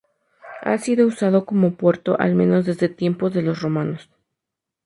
Ha sido usado como puerto al menos desde tiempos de los romanos.